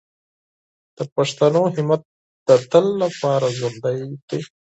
د پښتنو همت د تل لپاره ژوندی دی.